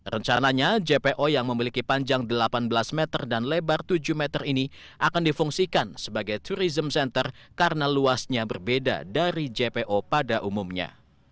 rencananya jpo yang memiliki panjang delapan belas meter dan lebar tujuh meter ini akan difungsikan sebagai tourism center karena luasnya berbeda dari jpo pada umumnya